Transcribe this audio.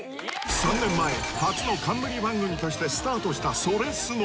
３年前初の冠番組としてスタートした「それスノ」